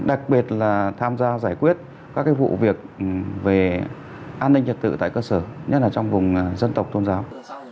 đặc biệt là tham gia giải quyết các vụ việc về an ninh trật tự tại cơ sở nhất là trong vùng dân tộc tôn giáo